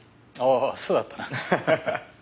おおそうだったな。